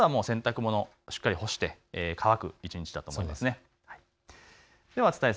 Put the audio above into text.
あすは洗濯物、しっかり干して、乾く一日だと思います。